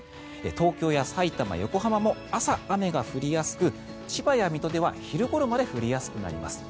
東京やさいたま、横浜も朝、雨が降りやすく千葉や水戸では昼ごろまで降りやすくなります。